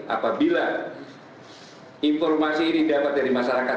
apabila informasi ini dapat dari masyarakat